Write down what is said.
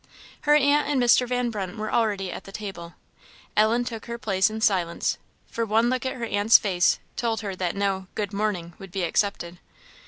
Her aunt and Mr. Van Brunt were already at the table. Ellen took her place in silence, for one look at her aunt's face told her that no "good morning" would be accepted.